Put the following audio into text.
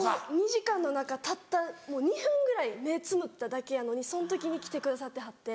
２時間の中たった２分ぐらい目つむっただけやのにその時に来てくださってはって。